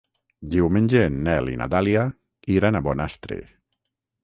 Diumenge en Nel i na Dàlia iran a Bonastre.